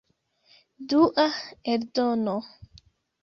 Dua eldono.